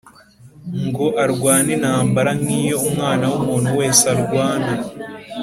ngo arwane intambara nk’iyo umwana w’umuntu wese arwana